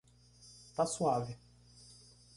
Tá suave.